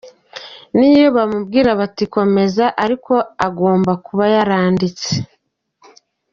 Niyo bamubwira bati komeza ariko agomba kuba yaranditse.